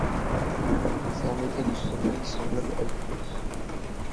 C'est un état de sommeil semblable à l'hypnose.